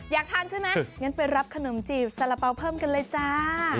อยากทานใช่ไหมงั้นไปรับขนมจีบสารเป๋าเพิ่มกันเลยจ้า